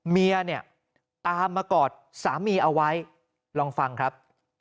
เมียเนี่ยตามมากอดสามีเอาไว้ลองฟังครับ